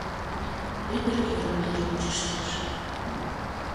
Ӱдыр йырым-йыр ончыштеш.